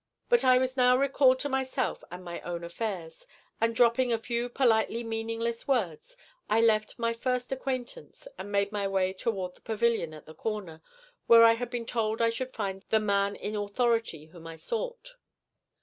But I was now recalled to myself and my own affairs; and dropping a few politely meaningless words, I left my first acquaintance and made my way toward the pavilion at the corner, where I had been told I should find the 'man in authority' whom I sought.